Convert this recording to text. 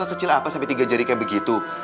muka kecil apa sampai tiga jari kayak begitu